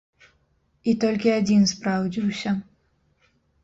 І толькі адзін спраўдзіўся.